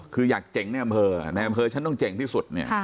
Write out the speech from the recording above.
คืออยากเจ๋งในอำเภอในอำเภอฉันต้องเจ๋งที่สุดเนี่ย